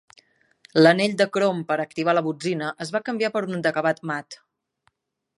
L'anell de crom per activar la botzina es va canviar per un d'acabat mat.